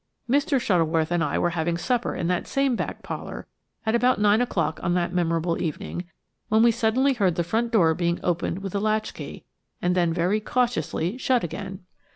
Mr. Shuttleworth and I were having supper in that same back parlour at about nine o'clock on that memorable evening, when we suddenly heard the front door being opened with a latchkey, and then very cautiously shut again.